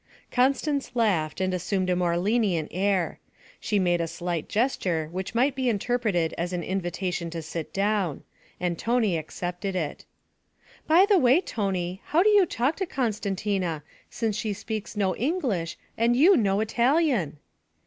Constance laughed and assumed a more lenient air. She made a slight gesture which might be interpreted as an invitation to sit down; and Tony accepted it. 'By the way, Tony, how do you talk to Costantina, since she speaks no English and you no Italian?'